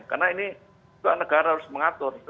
karena ini negara harus mengatur